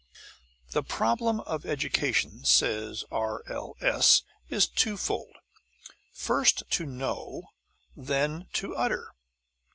The problem of education, said R. L. S., is two fold "first to know, then to utter."